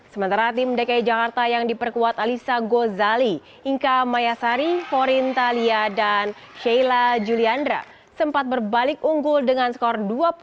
sementara tim dki jakarta yang diperkuat alisa gozali inka mayasari forin thalia dan sheila juliandra sempat berbalik unggul dengan skor dua puluh satu